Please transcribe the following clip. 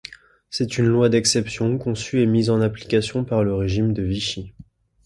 C'est une loi d'exception conçue et mise en application par le régime de Vichy.